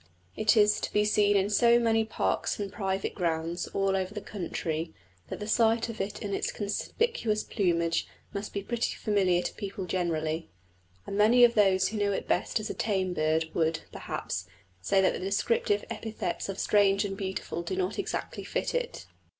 It is to be seen in so many parks and private grounds all over the country that the sight of it in its conspicuous plumage must be pretty familiar to people generally. And many of those who know it best as a tame bird would, perhaps, say that the descriptive epithets of strange and beautiful do not exactly fit it.